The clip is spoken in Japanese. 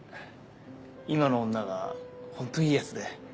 今の女がホントいいヤツで。